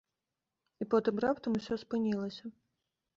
І потым раптам усё спынілася.